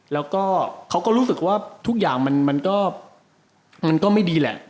แล้วก็เขาก็รู้สึกว่าทุกอย่างมันก็ไม่ดีแหละ